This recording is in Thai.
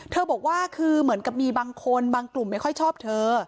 บอกว่าคือเหมือนกับมีบางคนบางกลุ่มไม่ค่อยชอบเธอ